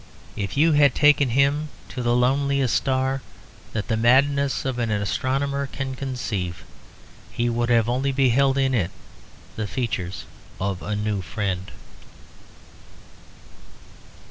If you had taken him to the loneliest star that the madness of an astronomer can conceive, he would have only beheld in it the features of a new friend.